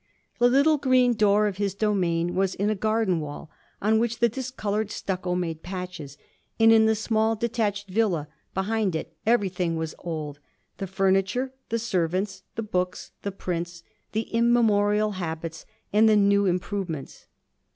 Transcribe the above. The little green door of his domain was in a garden wall on which the discoloured stucco made patches, and in the small detached villa behind it everything was old, the furniture, the servants, the books, the prints, the immemorial habits and the new improvements.